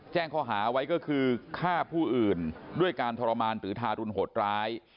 แจ้งข้อหาไว้ก็คือฆ่าผู้อื่นด้วยการทรมานหรือทารุณโหดร้าย